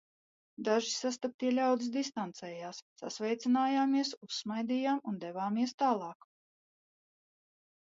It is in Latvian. Daži sastaptie ļaudis distancējās, sasveicinājāmies, uzsmaidījām un devāmies tālāk.